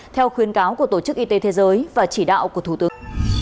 theo khuyến cáo của tổ chức y tế thế giới và chỉ đạo của thủ tướng